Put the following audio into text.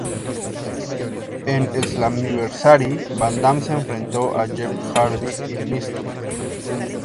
En "Slammiversary", Van Dam se enfrentó a Jeff Hardy y Mr.